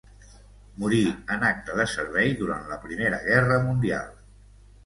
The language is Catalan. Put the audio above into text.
Morí en acte de servei durant la Primera Guerra Mundial.